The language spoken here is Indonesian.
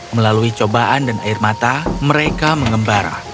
melalui cobaan dan air mata mereka mengembara